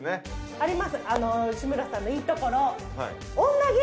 あります吉村さんのいいところ。